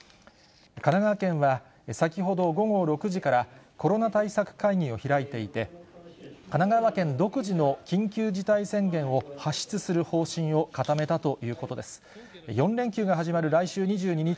神奈川県は、先ほど午後６時から、コロナ対策会議を開いていて、神奈川県独自の緊急事態宣言を発出する方針を固めたということです。